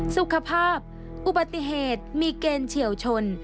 สุขภาพอุบัติเหตุมีเกณฑ์เฉียวชน